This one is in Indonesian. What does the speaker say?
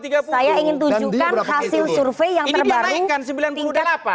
saya ingin tunjukkan hasil survei yang terbaru